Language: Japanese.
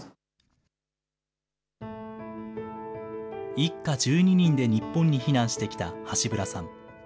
一家１２人で日本に避難してきたハシブラさん。